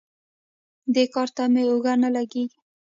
دې کار ته مې اوږه نه لګېږي.